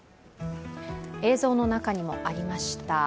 映像の中にもありました。